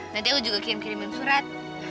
nanti aku juga kirim kirimin surat